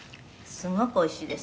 すごくおいしいです」